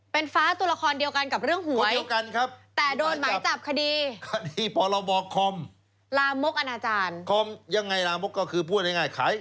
เป็นฟ้าตัวละครเดียวกันกับเรื่องหวย